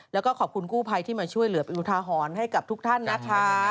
แล้วก็ขอบคุณกู้ภัยที่มาช่วยเหลือเป็นอุทาหรณ์ให้กับทุกท่านนะคะ